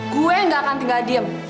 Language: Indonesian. gue gak akan tinggal diem